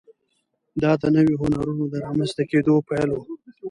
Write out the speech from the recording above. دا د نویو هنرونو د رامنځته کېدو پیل و.